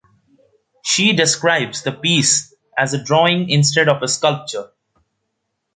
She describes the piece as a drawing instead of a sculpture.